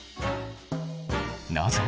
なぜ？